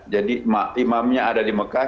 jadi imamnya ada di makkah